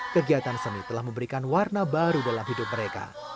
kegiatan seni telah memberikan warna baru dalam hidup mereka